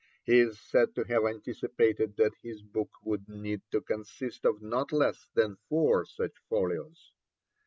He is said to have anticipated that his book would need to consist of not less than four such folios.